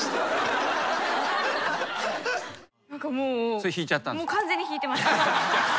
それ引いちゃったんですか？